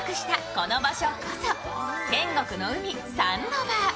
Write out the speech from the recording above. この場所こそ、天国の海、サンドバー。